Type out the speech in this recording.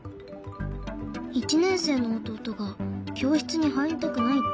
１年生の弟が教室に入りたくないって。